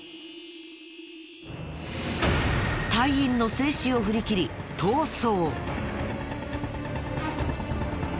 隊員の制止を振り切り逃走。